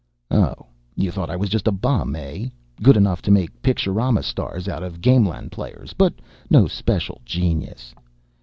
"Oh, you thought I was just a bum, eh? Good enough to make picturama stars out of gamelan players, but no special genius...."